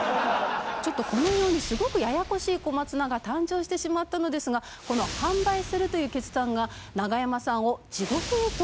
ちょっとこのようにすごくややこしい小松菜が誕生してしまったのですがこの販売するという決断がナガヤマさんを地獄へと引きずり落とす事になるんです。